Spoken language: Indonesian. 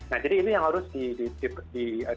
nah jadi ini yang harus di